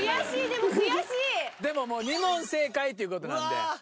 でも２問正解ってことなんで。